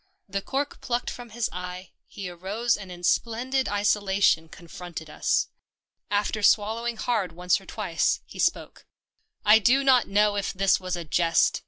The cork plucked from his eye, he arose and in splendid isola tion confronted us. After swallowing hard once or twice, he spoke. " I do not know if this was a jest."